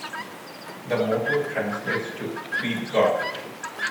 The motto translates to We Guard.